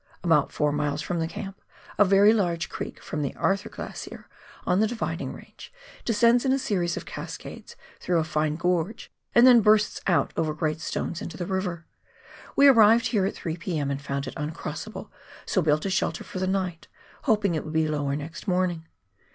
About four miles from tlie camp, a very large creek from the Arthur Glacier, on the Dividing Range, descends in a series of cascades through a fine gorge, and then bursts out over great stones into the river. We arrived here at 3 p.m. and found it uncrossable, so built a shelter for the night, hoping it would be lower next morning.